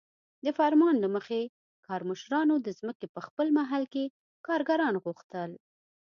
د فرمان له مخې کارمشرانو د ځمکې په خپل محل کې کارګران غوښتل.